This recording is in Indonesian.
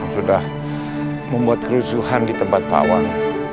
sudah membuat kerusuhan di tempat pawang